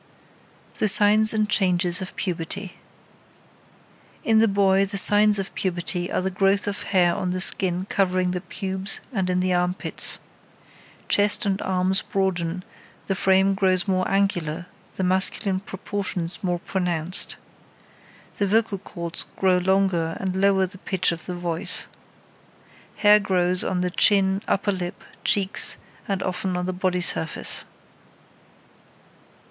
THE SIGNS AND CHANGES OF PUBERTY In the boy the signs of puberty are the growth of hair on the skin covering the pubes and in the armpits. Chest and arms broaden, the frame grows more angular, the masculine proportions more pronounced. The vocal cords grow longer and lower the pitch of the voice. Hair grows on chin, upper lip, cheeks, and often on the body surface.